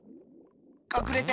かくれて！